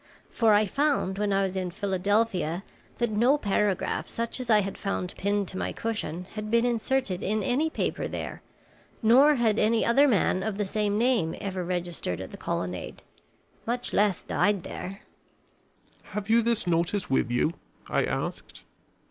For I found when I was in Philadelphia that no paragraph such as I had found pinned to my cushion had been inserted in any paper there, nor had any other man of the same name ever registered at the Colonnade, much less died there." "Have you this notice with you?" I asked.